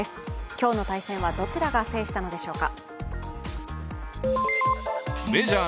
今日の対戦はどちらが制したのでしょうか。